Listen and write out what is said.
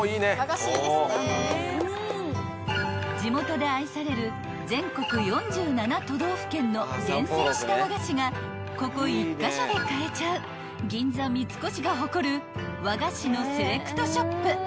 ［地元で愛される全国４７都道府県の厳選した和菓子がここ１カ所で買えちゃう銀座三越が誇る和菓子のセレクトショップ］